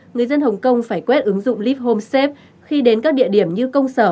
người dân hồng kông phải quét ứng dụng lip home safe khi đến các địa điểm như công sở